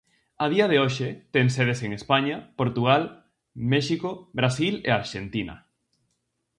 A día de hoxe, ten sedes en España, Portugal, México, Brasil e Arxentina.